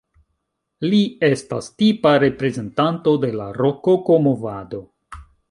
Li estas tipa reprezentanto de la rokoko-movado.